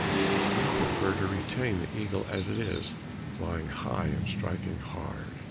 But we prefer to retain the eagle as it is flying high and striking hard.